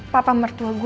papa mertua gue waktu itu